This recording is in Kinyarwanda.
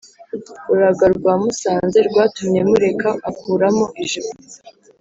urwagwa rwa musanze rwatumye mureka akuramo ijipo